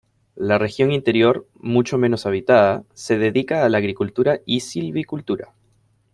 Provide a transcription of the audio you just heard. La región interior, mucho menos habitada, se dedica a la agricultura y silvicultura.